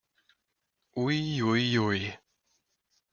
Ui ui ui!